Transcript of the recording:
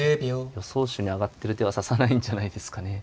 予想手に挙がってる手は指さないんじゃないですかね。